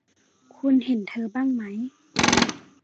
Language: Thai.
คุณเห็นเธอบ้างไหม